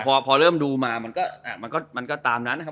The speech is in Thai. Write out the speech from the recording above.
พอเริ่มดูมามันก็ตามนั้นนะครับ